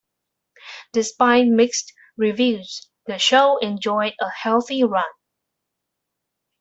Despite mixed reviews, the show enjoyed a healthy run.